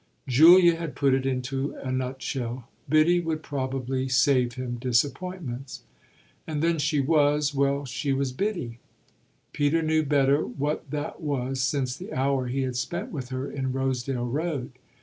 Julia had put it into a nutshell Biddy would probably save him disappointments. And then she was well, she was Biddy. Peter knew better what that was since the hour he had spent with her in Rosedale Road.